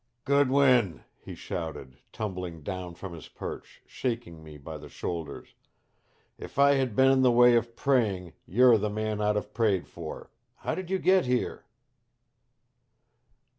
"Goodwin!" he shouted, tumbling down from his perch, shaking me by the shoulders. "If I had been in the way of praying you're the man I'd have prayed for. How did you get here?"